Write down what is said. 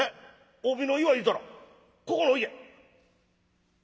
帯の祝いいうたらここの家これ？